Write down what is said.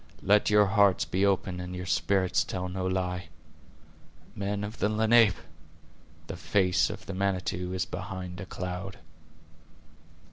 Let your hearts be open and your spirits tell no lie. Men of the Lenape! the face of the Manitou is behind a cloud."